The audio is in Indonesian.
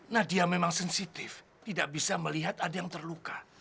nadia memang sensitif tidak bisa melihat ada yang terluka